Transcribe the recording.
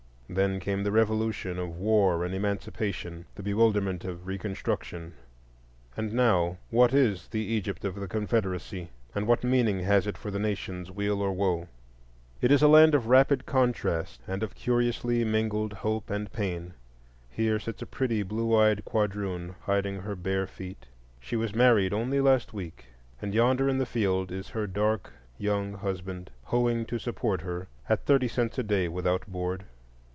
Then came the revolution of war and Emancipation, the bewilderment of Reconstruction,—and now, what is the Egypt of the Confederacy, and what meaning has it for the nation's weal or woe? It is a land of rapid contrasts and of curiously mingled hope and pain. Here sits a pretty blue eyed quadroon hiding her bare feet; she was married only last week, and yonder in the field is her dark young husband, hoeing to support her, at thirty cents a day without board.